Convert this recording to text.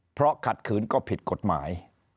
เพราะขัดขืนก็ผิดกฎหมาย